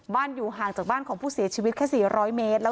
อยู่ห่างจากบ้านของผู้เสียชีวิตแค่๔๐๐เมตร